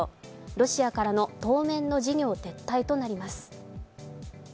ロシアからの当面の事業撤退となります。